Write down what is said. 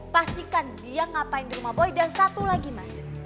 pastikan dia ngapain di rumah boy dan satu lagi mas